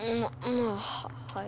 まあはい。